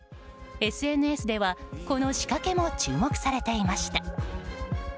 ＳＮＳではこの仕掛けも注目されていました。